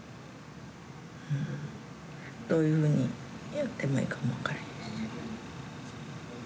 うんどういうふうにやってもいいかもわからへんし。